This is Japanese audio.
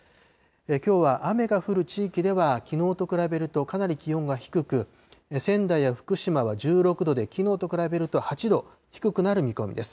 きょうは雨が降る地域では、きのうと比べるとかなり気温が低く、仙台や福島は１６度で、きのうと比べると８度低くなる見込みです。